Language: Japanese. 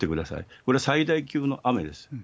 これは最大級の雨です。